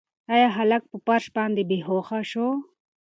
ایا هلک په فرش باندې بې هوښه شو؟